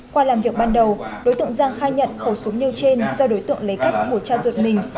qua làm việc ban đầu đối tượng giang khai nhận khẩu súng nêu trên do đối tượng lấy cắp của cha ruột mình